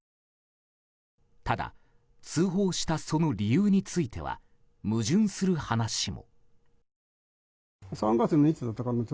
ただ通報したその理由については矛盾する話も。